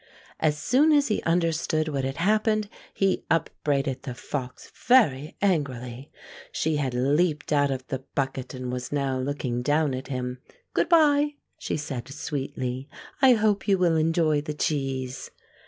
As soon as he understood what had hap pened, he upbraided the fox very angrily. She had leaped out of the bucket and was now looking down at him, "Good bye," she said sweetly; "I hope you will enjoy the cheese."